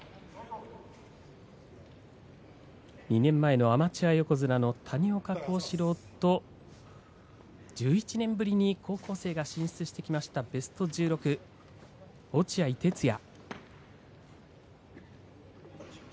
２年前のアマチュア横綱の谷岡倖志郎と１１年ぶりに高校生が進出してきました、ベスト１６落合哲也。